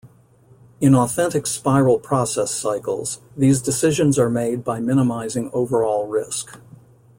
In authentic spiral process cycles, these decisions are made by minimizing overall risk.